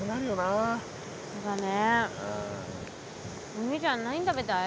お兄ちゃん何食べたい？